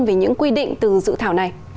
về những quy định từ dự thảo này